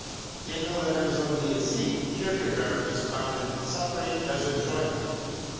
In the letters of the æsthete, Kierkegaard expounded suffering as enjoyment.